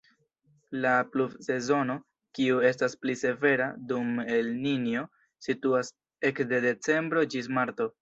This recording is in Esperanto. La pluvsezono, kiu estas pli severa dum El-Ninjo, situas ekde decembro ĝis marto.